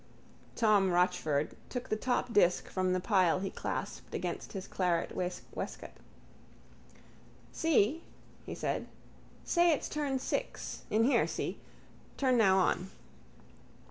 Tom Rochford took the top disk from the pile he clasped against his claret waistcoat. —See? he said. Say it's turn six. In here, see. Turn Now On.